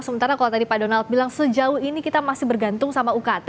sementara kalau tadi pak donald bilang sejauh ini kita masih bergantung sama ukt